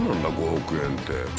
５億円って。